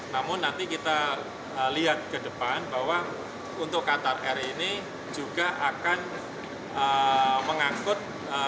namun nanti kita lihat ke depan bahwa untuk qatar air ini juga akan mengangkut